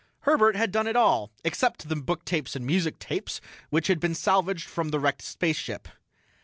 Herbert had done it all, except the booktapes and musictapes, which had been salvaged from the wrecked spaceship.